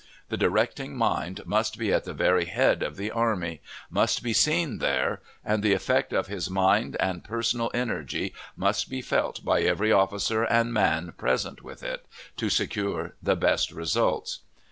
The directing mind must be at the very head of the army must be seen there, and the effect of his mind and personal energy must be felt by every officer and man present with it, to secure the best results.